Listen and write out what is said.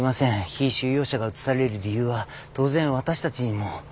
被収容者が移される理由は当然私たちにも。